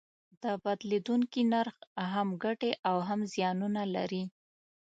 د بدلیدونکي نرخ هم ګټې او زیانونه لري.